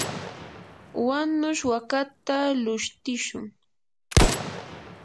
wanush wakata lushtishun.